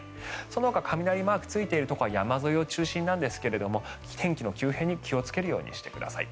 そのほか雷マークついているところは山沿いが中心ですが天気の急変に気をつけるようにしてください。